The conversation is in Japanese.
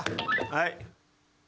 はい。